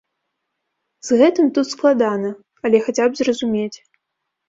З гэтым тут складана, але хаця б зразумець.